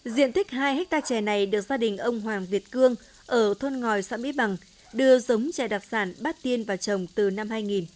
diện tích hai hectare trẻ này được gia đình ông hoàng việt cương ở thôn ngòi xã mỹ bằng đưa giống trẻ đặc sản bắt tiên và trồng từ năm hai nghìn